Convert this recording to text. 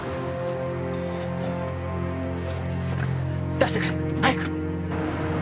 出してくれ！早く！